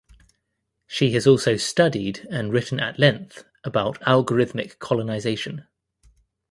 She has also studied and written at length about algorithmic colonization.